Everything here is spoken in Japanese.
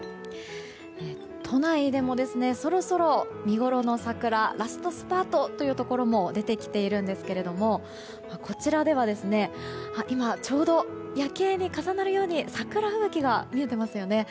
都内でも、そろそろ見ごろの桜ラストスパートのところも出てきているんですがこちらでは今、ちょうど夜景に重なるように桜吹雪が見えていますよね。